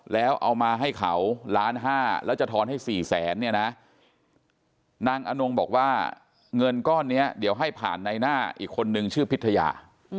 แล้วเอามาให้เขาล้านห้าแล้วจะทอนให้๔แสนเนี่ยนะนางอนงบอกว่าเงินก้อนนี้เดี๋ยวให้ผ่านในหน้าอีกคนนึงชื่อพิทยา